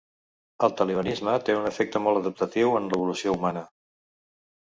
El tribalisme té un efecte molt adaptatiu en l'evolució humana.